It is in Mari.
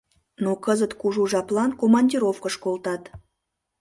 Но кызыт кужу жаплан командировкыш колтат.